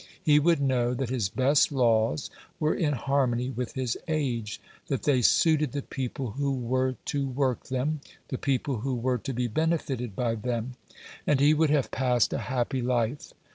He would know that his best laws were in harmony with his age; that they suited the people who were to work them, the people who were to be benefited by them. And he would have passed a happy life.